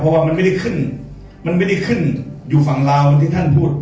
เพราะว่ามันไม่ได้ขึ้นมันไม่ได้ขึ้นอยู่ฝั่งลาวที่ท่านพูด